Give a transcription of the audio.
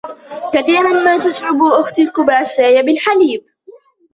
كثيراً ما تشرب أختي الكبرى الشاي بالحليب.